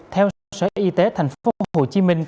theo sở y tế tp hcm